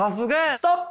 ストップ！